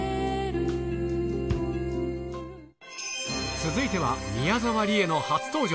続いては、宮沢りえの初登場。